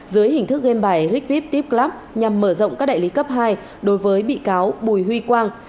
dưới hình thức game bài rigvip tipclub nhằm mở rộng các đại lý cấp hai đối với bị cáo bùi huy quang